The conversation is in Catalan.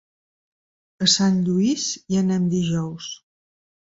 A Sant Lluís hi anem dijous.